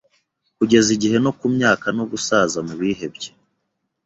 Kugeza igihe no kumyaka no gusaza Mubihebye